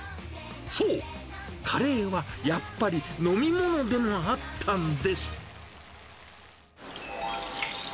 そう、カレーはやっぱり飲み物でもあったんです。